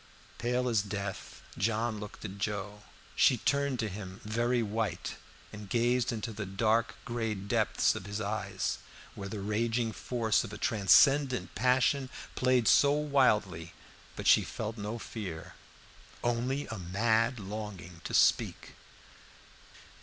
Pale as death, John looked at Joe. She turned to him, very white, and gazed into the dark gray depths of his eyes, where the raging force of a transcendent passion played so wildly; but she felt no fear, only a mad longing to speak.